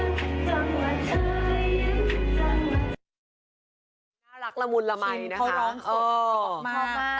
นี้ที่ได้พบเธอจำว่าเธอยังรักละมุนละไหมนะคะเออมาก